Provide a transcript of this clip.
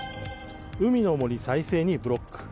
海の森、再生にブロック。